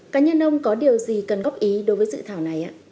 cá nhân ông có điều gì cần góp ý đối với dự thảo này ạ